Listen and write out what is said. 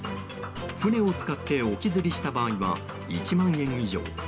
船を使って沖釣りした場合は１万円以上。